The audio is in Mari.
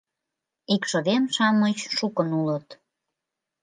Икшывем-шамыч шукын улыт.